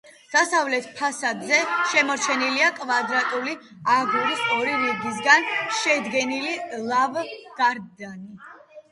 დასავლეთ ფასადზე შემორჩენილია კვადრატული აგურის ორი რიგისაგან შედგენილი ლავგარდანი.